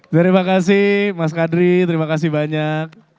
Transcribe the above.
terima kasih mas kadri terima kasih banyak